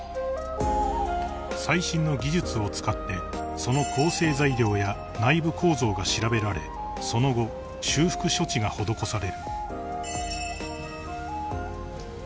［最新の技術を使ってその構成材料や内部構造が調べられその後修復処置が施される］